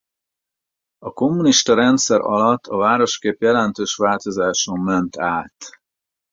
A kommunista rendszer alatt a városkép jelentős változáson ment át.